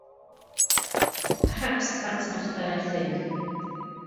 Perhaps that's not a bad thing